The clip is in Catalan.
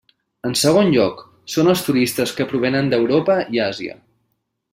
En segon lloc, són els turistes que provenen d'Europa i Àsia.